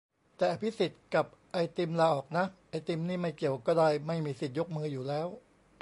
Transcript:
แต่อภิสิทธิ์กับไอติมลาออกนะ ไอติมนี่ไม่เกี่ยวก็ได้ ไม่มีสิทธิ์ยกมืออยู่แล้ว